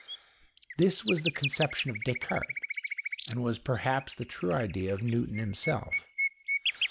This was the conception of Descartes, and was perhaps the true idea of Newton himself.